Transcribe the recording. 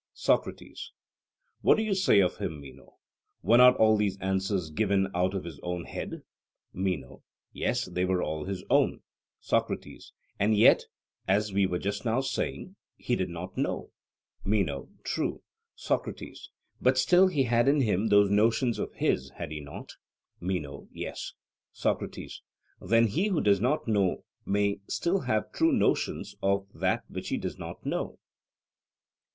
SOCRATES: What do you say of him, Meno? Were not all these answers given out of his own head? MENO: Yes, they were all his own. SOCRATES: And yet, as we were just now saying, he did not know? MENO: True. SOCRATES: But still he had in him those notions of his had he not? MENO: Yes. SOCRATES: Then he who does not know may still have true notions of that which he does not know?